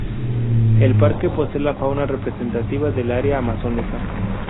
El parque posee la fauna representativa del área amazónica.